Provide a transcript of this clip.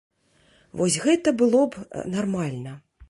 Вось гэта было б нармальна.